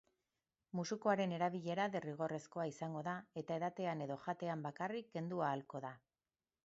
Musukoaren erabilera derrigorrezkoa izango da eta edatean edo jatean bakarrik kendu ahalko da.